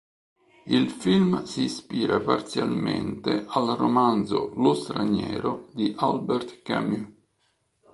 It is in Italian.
Il film si ispira parzialmente al romanzo "Lo straniero" di Albert Camus.